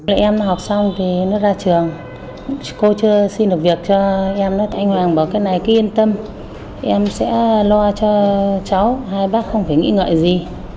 em học xong thì nó ra trường cô chưa xin được việc cho em anh hoàng bởi cái này kia yên tâm em sẽ lo cho cháu hai bác không phải nghĩ ngợi gì